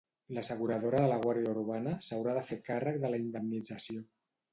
L'asseguradora de la Guàrdia Urbana s'haurà de fer càrrec de la indemnització.